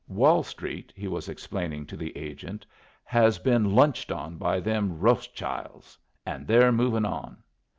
"Wall Street," he was explaining to the agent, "has been lunched on by them Ross childs, and they're moving on.